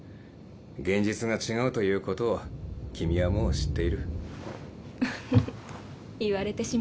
現実が違うということを君はもう知っている。